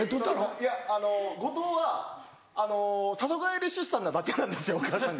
いや後藤は里帰り出産なだけなんですよお母さんが。